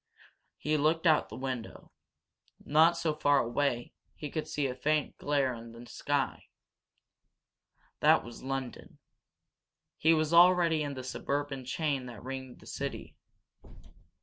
He looked out of the window. Not so far away he could see a faint glare in the sky. That was London. He was already in the suburban chain that ringed the great city.